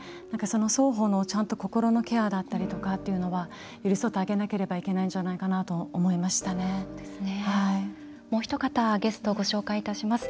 双方の心のケアだったりとかっていうのは寄り添ってあげなければいけないんじゃないかなともうひと方ゲストをご紹介いたします。